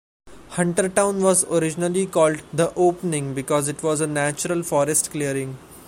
Huntertown was originally called "The Opening" because it was a natural forest clearing.